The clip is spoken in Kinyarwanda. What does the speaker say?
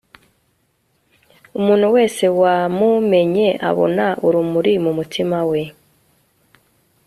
Umuntu wese wamumenye abona urumuri mumutima we